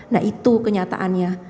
nah itu kenyataannya